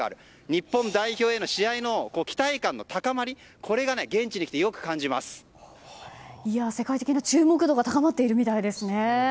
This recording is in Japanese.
日本代表の試合への期待感の高まりが世界的に注目度が高まっているみたいですね。